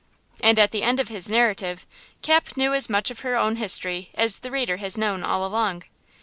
And at the end of his narrative Cap knew as much of her own history as the reader has known all along.